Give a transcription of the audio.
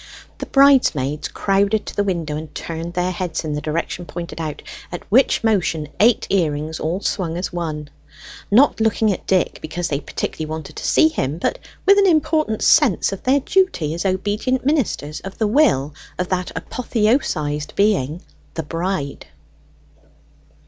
The bridesmaids crowded to the window and turned their heads in the direction pointed out, at which motion eight earrings all swung as one: not looking at Dick because they particularly wanted to see him, but with an important sense of their duty as obedient ministers of the will of that apotheosised being the Bride.